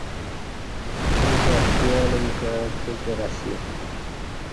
اݩڅ اتکی الوم کہ پکیر اسی۔